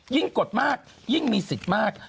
กดมากยิ่งมีสิทธิ์มาก